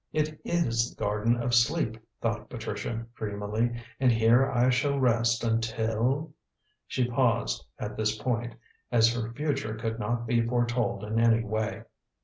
"It is the Garden of Sleep," thought Patricia dreamily, "and here I shall rest until " she paused at this point, as her future could not be foretold in any way.